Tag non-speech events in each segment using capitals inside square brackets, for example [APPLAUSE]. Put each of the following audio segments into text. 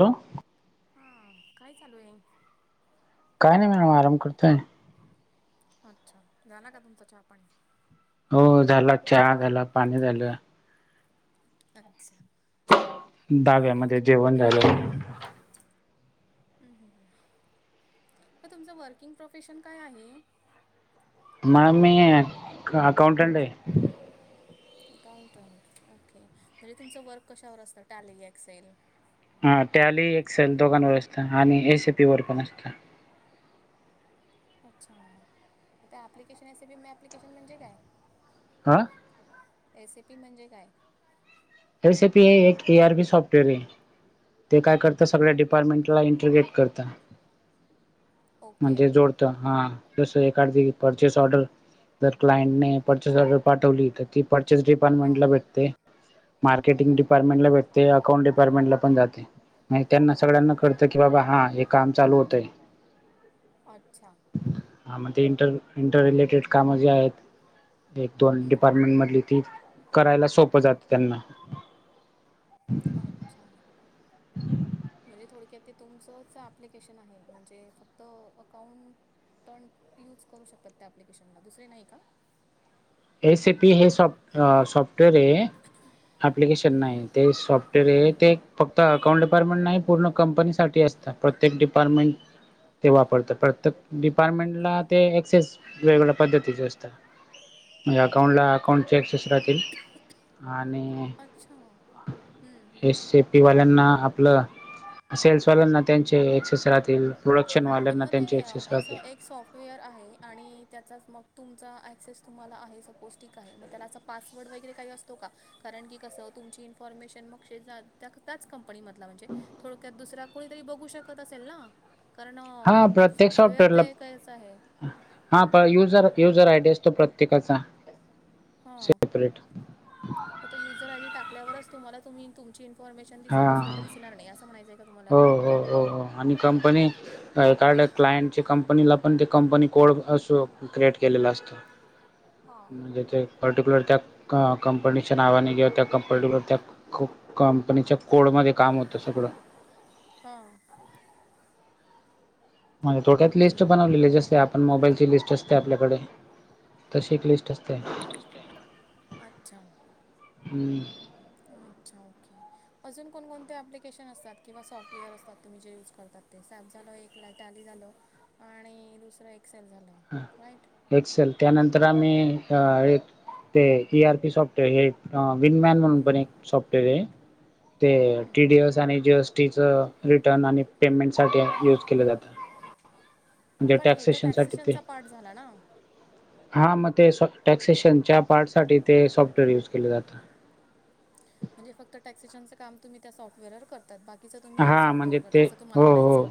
Hello! हा काय चालू आहे. काही नाही मॅडम आराम करतोय. अच्छा झाला का तुमचा चहा -पाणी? हो झाला. चहा झाला. पाणी झालं. अच्छा! धाब्या मध्ये जेवण झालं. हम्म हम्म हम्म मग तुमचं वर्किंग प्रोफेशन काय आहे? मॅम मी अकाउंटंट आहे. [INAUDIBLE] अकाउंटंट ओके म्हणजे तुमचं वर्क कशावर असतं? Tally - Excel? हा टॅली एक्सेल दोघांवर असत आणि एसीपी वर पण असत. अच्छा म ते ॲप्लिकेशन एसिपी मे ॲप्लिकेशन म्हणजे काय? हां? एसिपी म्हणजे काय? एसीपी हे एक ए आर बी सॉफ्टवेअर आहे. ते काय करतं. सगळ्या डिपार्टमेंटला इंट्रीग्रेट करत. ओके. म्हणजे जोडत. हा जस एक आर झी. परचेस ऑर्डर, जर क्लायंटने परचेस ऑर्डर पाठवली, तर ती परचेस डिपार्टमेंटला हां. भेटते. मार्केटिंग डिपार्टमेंटला भेटते अकाउंट डिपार्टमेंटला पण जाते. त्यांना सगळ्यांना कळ त की बाबा हा हे काम चालू होतंय अच्छा. हां मग ते इंटर इंटर रिलेटेड जे कामं आहेत एक दोन हं. डिपार्टमेंट मधली, ती करायला सोपं जातं त्यांना [INAUDIBLE] अच्छा म्हणजे थोडक्यात ते तुमचंच ॲप्लिकेशन आहे म्हणजे फक्त अकाउंट आकाउंट यूज करू शकतात, त्या ॲप्लिकेशनला दुसरे नाही का? एस ए पी हे सॉफ्ट सॉफ्टवेअरय ॲप्लिकेशन हं. नाही ते सॉफ्ट [UNINTELLIGIBLE] फक्त अकाउंट डिपार्टमेंट नाही पूर्ण कंपनीसाठी असतं प्रत्येक डिपार्टमेंट ते वापरतात प्रत्येक डिपार्टमेंटला ते एक्सेस वेगवेगळ्या पद्धतीचे असतात. म्हणजे अकाउंटला अकाउंटचे एक्सेस राहते. आणि अच्छा! हम् हम् पीवाल्यांना आपलं सेल्स वाल्यांना त्यांचे एक्सेस राहतील पण प्रोडक्शनवाल्यांना म ते त्यांचे एक्सेस राहतील असं एक सॉफ वेअर आहे आणि त्याचाच मग तुमचा ऍक्सेस तुम्हाला आहे सपौस्टीक आहे. मग त्यालाच पासवर्ड वगैरे काही असतो का? कारण की कसं तुमची इन्फॉर्मेशन मग शेजा त्या त्याच कंपनीमधला म्हणजे थोडक्यात दुसरा कोणीतरी बघू शकत असेल ना? कारण हा प्रत्येक सॉफ्टवेअर तर सॉफ्टवेअरला एकच आहे. हा पण युजर युजर आयडी असतो, प्रत्येकाचा हा सेपरेट आता युजर आय डी टाकल्यावरच तुम्हाला तुम्ही तुमची इन्फॉर्मेशन हा दिसेल दुसऱ्याला दिसणार नाही. असं म्हणायचं का तुम्हांला? हो हो हो हो आणि कंपनी कार क्लायंटच्या कंपनीला पण ते कंपनी कोड असं क्रिएट केलेला असतो. हां म्हणजे ते पर्टिक्युलर त्या कंपनीच्या नावाने किंवा त्या पर्टिक्युलर त्या खुप कंपनीच्या कोडमध्ये काम होतं सगळं हां म्हजे थोक्यात ओके लिस्ट बनवलेली ज आपण मोबाईल ची लिस्ट असते आपल्याकडे तशी एक लिस्ट असते लिस्ट असते, अच्छा! हम्म अच्छा! ओके अजून कोणकोणते ॲप्लिकेशन असतात किंवा सॉफ्टवेअर असतात तुम्ही जे यूज करतात? ते सॅप झालं एक टॅली झालं आणि दुसरं एक्सेल झालं राईट हं एक्सेल त्यानंतर आम्ही एक ते इआरपी सॉफ्टवेअर हे विनमॅन म्हणून पण एक सॉफ्टवेअरय ते हम्म. टीडीएस आणि जीएसटी च रिटर्न आणि पेमेंट साठी ॲप युज केले जातं म्हणजे पण हे तर टॅक्ससेशनसाठी तरी टॅक्सेशनचा पार्ट झाला ना म्हणजे हा मग ते साॅफ्ट टॅक्सेशनच्या पार्ट साठी ते सॉफ्टवेअर युज केलं जात म्हणजे फक्त टॅक्ससेशनच काम तुम्ही त्या सॉफ्टवेअर वर करतात बाकी हा म्हणजे ते हो हो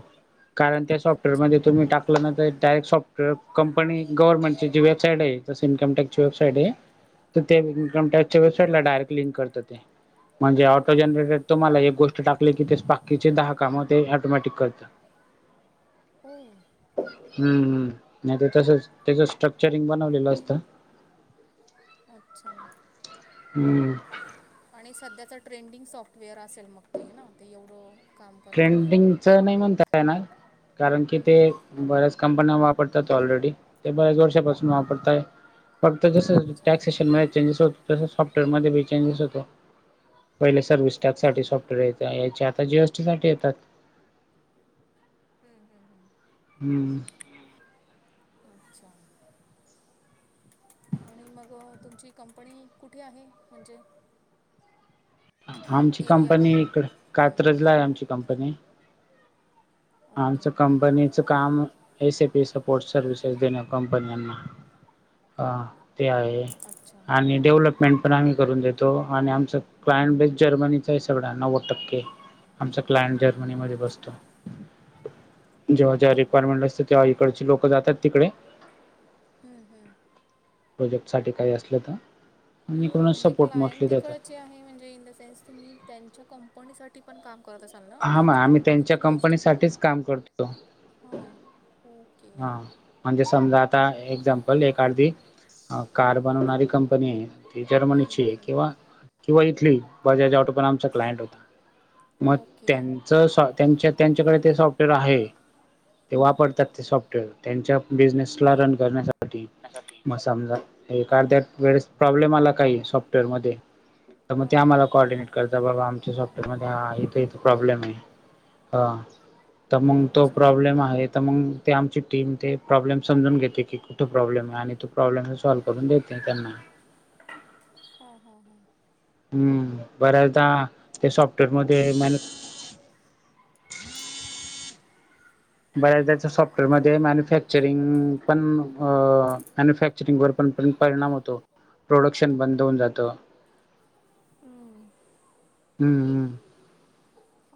कारण त्या आहे अच्छा सॉफ्टवेअरमध्ये तुम्ही टाक आपला डायरेक्ट सॉफ्टवेअर कंपनी गव्हर्नमेंटची वेबसाईडय तशी इन्कमटॅक्स ची वेबसाइडय तर ते इन्कमटॅक्सच्या वेबसाईटला डायरेक् लिंक करतात ते म्हणजे ऑटो जनरेटे तुम्हाला एक गोष्ट टाकली की ते बाकीचे दहा काम ते ऑटोमॅटिक करत. हो. हम्म् नाही ते तसच त्याच स्ट्रक्चरिंग बनवलेलं असतं. अच्छा! हम्म. आणि सध्याचं ट्रेंडिंग सॉफ्टवेअर असेल मग ते ना ते एवढं काम करतं ट्रेंडिंगचं नाही म्हणता येणार. कारण की ते हम्म. बऱ्याच कंपन्या वापरतात ऑलरेडी ते बऱ्याच वर्षापासून वापरताय. फक्त जस अच्छा टॅक्सेशन मध्ये चेंजेस होत तस सॉफ्टवेअर मध्ये बी चेंजेस होतय. पहिले सर्व्हिस टॅक्स ओके साठी हम्म सॉफ्टवेअर यायचे आता जीएसटी साठी येतात. हम्म हम्म हम्. हम्म. [INAUDIBLE] अच्छा! आणि मग तुमची कंपनी कुठे आहे? म्हणजे आमची एरिया कंपनी काय इकड. हं, कात्रजला आहे आमची कंपनी. ओके आमच्या कंपनीत च काम एस पी सपोर्ट सर्व्हसेस देण्या कंपन्यांना. हा ते आहे. अच्छा आणि डेव्हलपमेंट पण आम्ही करून देतो आणि आमच क्लायंट बेस् जर्मनीचा आहे सगळा नव्वद टक्के आमचा क्लायंट जर्मनीमध्ये अच्छा बसतो. जेव्हा ज्या ओके रिक्वायरमेंट असते तेव्हा इकडची लोकं जातात तिकडे. हम्म हम्. प्रोजेक्ट साठी काही असलं तर आणि कोणच सपोर्ट मोस्ली देतात. ते आहे म्हणजे इन द सेन्स तुम्ही त्यांच्या कंपनीसाठी पण काम करत असाल ना हा मग त्यांच्या आम्ही त्यांच्या कंपनीतील गोष्टी. त्याच्या कंपनीसाठीच काम कपंनी साठीच करतो काम करतो. हां. हो. हा म्हणजे समजा आता एक्झाम्पल एक आडदी अ कार बनवणारी कंपनी आहे ती हं, जर्मनीचीय हं. किंवा किंवा इथल ही बजाज ऑटो पण आमचा क्लायंट होता. मग ओके त्यांच सा - त्यांच्या त्यांच्याकडे ते सॉफ्टवेअर आहे ते वापरतात. ते सॉफ्टवेअर. त्यांच्या हा बिजनेसला रन करण्यासाठी मग समजा हा एखाद्यात वेळेस प्रॉब्लेम आला काही सॉफ्टवेअरमध्ये तर मग ते हां आम्हाला कॉर्डिनेट करतात बाबा आमच्या सॉफ्टवेअर मध्ये हा इथ इथ प्रॉब्लेम आहे. हा तर मग तो अच्छा प्रॉब्लेम आहे तर मग ते आमची टीम ते प्रॉब्लेम समजून घेते की कुठं प्रॉब्लेम आहे आणि तो प्रॉब्लेम हे सॉल्व करून देते त्यांना. हा हा हा. हम्म बऱ्याचदा ते सॉफ्टवेअरमध्ये मॅनी बऱ्याचदा सॉफ्टवेअरमध्ये मॅन्युफॅक्चरिंग पण अ मॅन्युफॅक्च चिटिंगवर पण परिणाम होतो. प्रोडक्शन बंद होऊन जात. [INAUDIBLE] हम्म हम्म.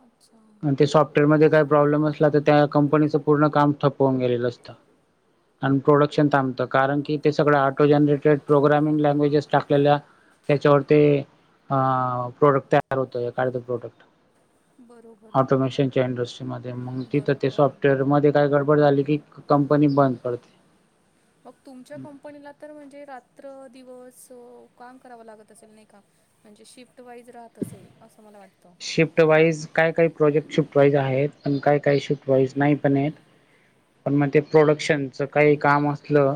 अच्छा! आणि ते सॉफ्टवेअरमध्ये काही प्रॉब्लेम असला तर त्या कंपनीचं पूर्ण काम ठप्प वून गेलेलं असतं. [INAUDIBLE] आणि प्रोडक्शन थांबतं कारण की ते सगळं ऑटो जनरेटेड प्रोग्रामिंग लँग्वेजेस टाकलेल्या त्याच्यावर ते अ प्रोडक्ट तयार होतय एखाद प्रोडक्ट. बरो. ऑटोमेशन जेनरशमध्ये मग तिथं ते बरोबर आहे. सॉफ्टवेअर मध्ये काय गडबड झाली की कंपनी बंद पडते. मग तुमच्या कंपनीला तर म्हणजे रात्र दिवस ओ काम करावं लागत असेल नाही का? म्हणजे शिफ्ट वाईज राहत असेल असं मला वाटतं. शिफ्ट वाईज काय काही प्रोजेक्ट शिफ्ट वाईज आहेत पण काय काही शिफ्ट वाईज नाही पण आहेत. पण मग ते प्रोडक्शनच काही काम असलं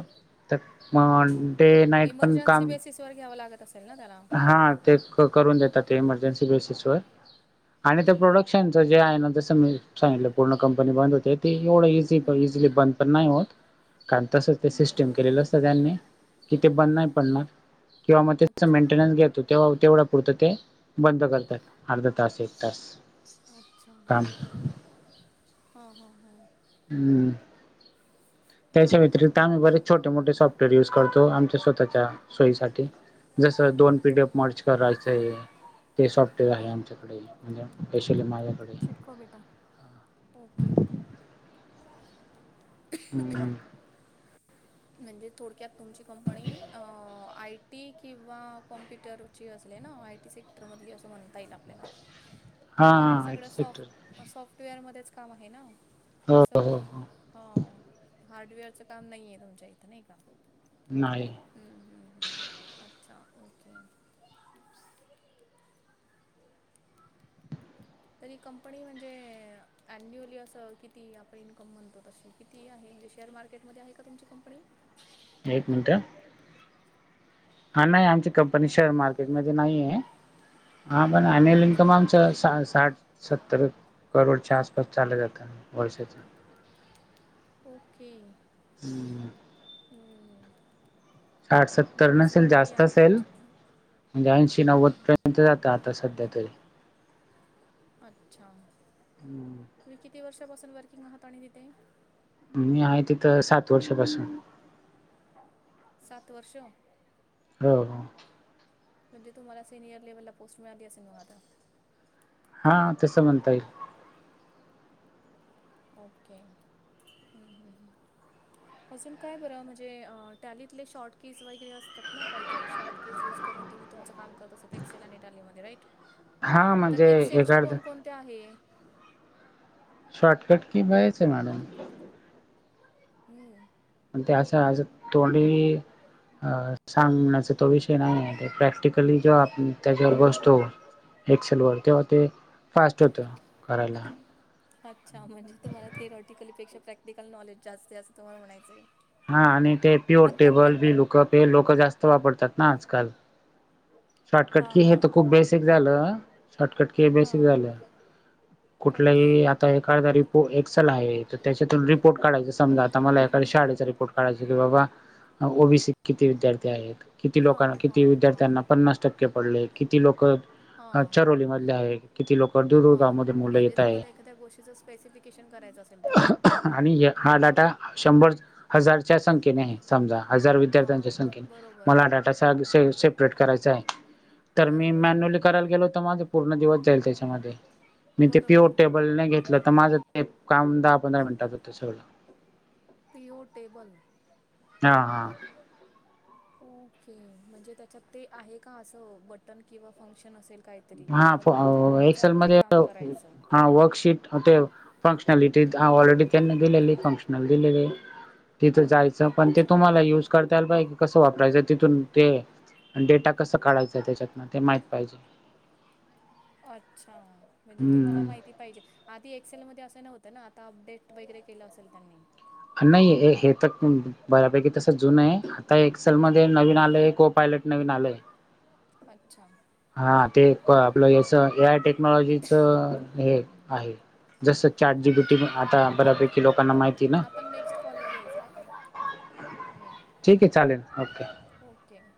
तर मग ते नाईट पण काम वर घ्यावं लागत असेल ना त्याला. हा तेच करून देतात ते इमर्जन्सी बेसिस वर. आणि ते प्रोडक्शनच जे आहे ना जसं मी सांगितलं पूर्ण कंपनी बंद होते ते एवढं इझी तो हं, इझिली बंद पण नाही होत. कारण तसं ते हं. सिस्टीम केलेलं सगळ्यांनी, कि ते बंद नाही पडणार किंवा म अच्छा. मेंटेनन्स घेत होते तेव्हा तेवढ्या पुरत ते बंद करतात अर्धातास एक तास. अच्छा. काम हा हा हां. हम्म. त्याच्या बरोबर. व्यतिरिक्त आम्ही बरेच छोटे मोठे सॉफ्टवेअर युज करतो आमच्या स्वतःच्या सोयीसाठी. जस दोन पी डी एफ मर्ज करायचंय ते सॉफ्टवेअर आहे हां. आमच्याकडे. म्हणजे स्पेशली माझ्याकडे. चिटकवबेटा, ओके. हम्म. म्हणजे थोडक्यात तुमची कंपनी अ आय टी किंवा कॉम्प्यु सेक्टरची असले ना आय टी सेक्टर मधली असं म्हणता येईल आपल्याला. हा कारण हा सगळं एक्सेक्टर सॉफ्ट सॉफ्टवेअरमध्येच काम आहे ना. हो हो असं हो ह हार्डवेअरचं काम नाही आहे तुमच्या इथं नाही का? नाही. हम्म हम्म हम्म, अच्छा ओके. तरी कंपनी म्हणजे अन्युअली असं किती आपण इन्कम म्हणतो तशी किती आहे म्हणजे शेअर मार्केटमध्ये आहे का तुमची कंपनी. एक मिनट. हा नाही आमची कंपनी शेअर मार्केटमध्ये नाही आहे. हा पण एनुअल अच्छा इन्कम आमच साठ सत्तर करोडच्या आसपास चाललं जातं वर्षाच्या. ओके. हम्म. हम्म. साठ सत्तर बरीच नसेल मोठी जास्त आहे असेल म्हणजे ना म्हणजे, ऐंशी नव्वद हम्म, हम्म. पर्यंत जात आता सध्या तरी. अच्छा! तुम्ही किती वर्षापासून वर्किंग आहात आणि तिथे. मी आहे तिथं सात वर्षापासून. सात वर्षं. हो. म्हणजे तुम्हाला सियर लेव्हलला पोस्ट मिळालीे असेल मग आता. हा तसं म्हणता येईल ओके हम्म हम्म हम्म. अजून काय बरं म्हणजे टॅलीतले शॉर्ट केज वगैरे असतात ना काय काही शॉर्ट केज युज करून तुम्ही तुमचं काम करत असत एक्सेल आणि इटालीमध्ये राईट हा तर म्हणजे एक्सेलच्या एखाद कोण कोणत्या आहे? शॉर्टकट की व्हायचं मॅडम. हम्म. ते असं असं तोंडी अ सांगण्याचं तो विषय नाही आहे प्रॅक्टिकली जेव्हा आपण त्याच्यावर बसतो एक्सेल वर तेव्हा ते फास्ट होत करायला. अच्छा म्हणजे तुम्हाला थिरॉटिकलपेक्षा प्रॅक्टिकल नॉलेज जास्त आहे असं तुम्हाला म्हणायचं आहे. हा आणि ते पी ओ टेबल बिलूकप हे लोक जास्त वापरतात ना आजकाल. शॉर्टकट हां की हे हां तर खूप बेसिक झालं. शॉटकट कि हे बेसिक हां झाले ओके कुठल्याही आता एक अर्धा री तो एक्सल आहे त त्याच्यातुन बि रिपोर्ट काढयचा समजा आता मला या कनी शाळेचा रिपोर्ट काढायचा कि बाबा ओ बी सी त किती विद्यार्थी आहेत किती लोकां हां किती हां हां विद्यार्थ्यांना पन्नास टक्के पडले किती लोक आजच्या रोली मधले आहे किती लोक दू हा म्हणजे तुम्हाला एखाद्या गोष्टीचं स्पेसिफिकेशन करायचं असेल तर. हम्म. आणि य हा डाटा शंभर हजारच्या संख्येने आहे समजा हजार हा विद्यार्थ्यांच्या संख्ये बरोबर मला हा डाटा सादु स सेपरेट करायचा आहे तर मी बरोबर मॅन्युअली करायला गेलो तर माझं पूर्ण दिवस जाईल त्याच्यामध्ये मी ते पी ओ बरोबर टेबल ने घेतलं माझं ते काम दहा पंधरा मिनिटात होतं सगळं. P O table. हा हा. ओके म्हणजे त्याच्यात ते आहे का असं बटन किंवा फंक्शन असेल. काहीतरी हा फो आपण त्याच्यात ते एक्सेलमध्ये काम करायचं हा वर्कशीट हा ते फंक्शनलिटी ऑलरेडी त्यांना दिलेली फंक्शनल दिलेली तिथ जाय स पण ते अच्छा तुम्हाला युज करता यायला पाहिजे. कसं वापरायचं तिथून ते आणि डेटा कसं काढायचं त्याच्यातन ते माहित पाहिजे. अच्छा म्हणजे तुम्हाला हम्म माहिती पाहिजे. आधी एक्सेलमध्ये असं नव्हतं ना आता अपडेट वगैरे केलं असेल त्यांनी. नाही हे हे तर बऱ्यापैकी तस जुन आहे आता एक्सेल मध्ये नवीन आल ओके ये को पायलट नवीन आल ये. अच्छा. हा ते क आपलं येस ए आय टेक्नॉलॉजीच हे आहे जसं चॅट जी बी टी अच्छा आता बऱ्यापैकी लोकांना माहिती ना आपण नेक्स्ट कॉलवर यायचं का हम्म. ठीक ये चालेल ओके. ओके